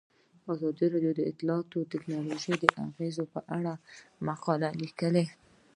ازادي راډیو د اطلاعاتی تکنالوژي د اغیزو په اړه مقالو لیکلي.